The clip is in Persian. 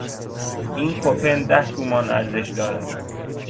این کوپن ده تومان ارزش دارد.